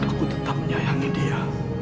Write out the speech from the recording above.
aku tetap menyayangi dia